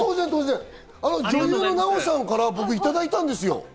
女優の奈緒さんから僕いただいたんですよ。